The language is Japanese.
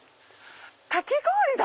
かき氷だ！